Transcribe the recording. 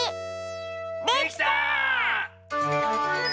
できた！